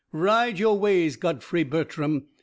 Ride your ways, Godfrey Bertram!